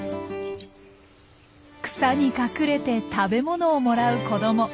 草に隠れて食べ物をもらう子ども。